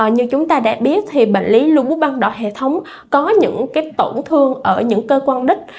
như chúng ta đã biết bệnh lý lưu bút ban đảo hệ thống có những tổn thương ở những cơ quan đích